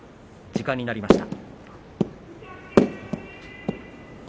時間になりました。